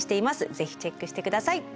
ぜひチェックして下さい。